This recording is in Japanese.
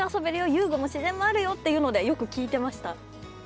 遊具も自然もあるよっていうのでよく聞いてました。